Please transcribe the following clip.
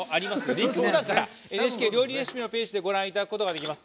リンクボタンからＮＨＫ料理レシピのページからご覧いただくことができます。